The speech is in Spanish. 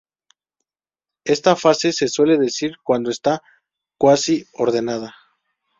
Esta fase se suele decir que está quasi-ordenada.